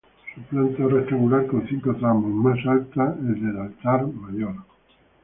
Su planta es rectangular con cinco tramos, más alto el del altar mayor.